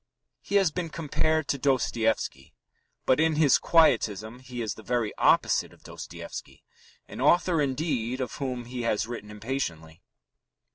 He has been compared to Dostoevsky, but in his quietism he is the very opposite of Dostoevsky an author, indeed, of whom he has written impatiently.